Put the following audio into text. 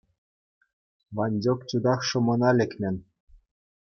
Ванчӑк чутах шӑмӑна лекмен.